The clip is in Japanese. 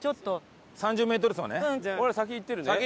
俺ら先行ってるね。